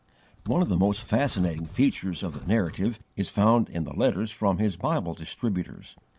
One of the most fascinating features of the Narrative is found in the letters from his Bible distributors.